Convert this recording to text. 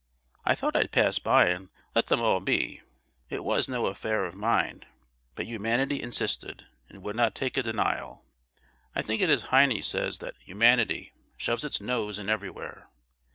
I thought I'd pass by and let them all be—; it was no affair of mine: but humanity insisted, and would not take a denial. (I think it is Heine says that humanity shoves its nose in everywhere!)